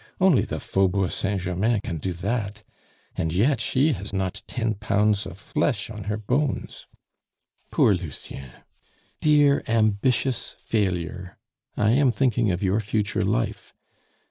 Only the Faubourg Saint Germain can do that! and yet she has not ten pounds of flesh on her bones! "Poor Lucien! Dear ambitious failure! I am thinking of your future life.